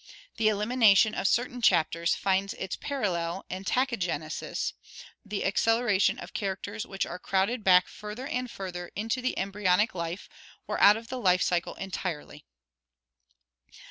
The elimination of certain chapters finds its parallel in tachygenesis (Gr. ra^u?, swift), the acceleration of characters which are crowded back further and further into the embryonic life or out of the life cycle entirely.